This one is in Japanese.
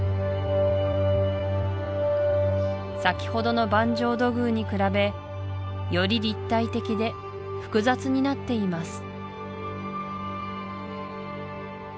先ほどの板状土偶に比べより立体的で複雑になっています